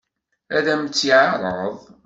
Ad m-tt-yeɛṛeḍ?